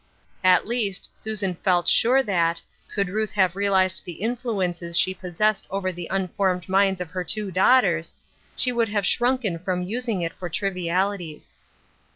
At least, Susan felt sure that, could Ruth have real ized the influences she possessed over the un formed minds of her two daughters, she would have shrunken from using it for trivialities.